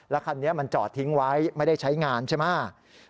คันนี้มันจอดทิ้งไว้ไม่ได้ใช้งานใช่ไหม